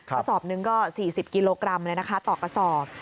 กระสอบหนึ่งก็๔๐กิโลกรัมเลยนะคะต่อกระสอบ